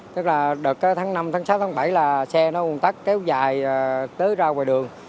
tức là đợt tháng năm tháng sáu tháng bảy là xe nó ồn tắc kéo dài tới ra ngoài đường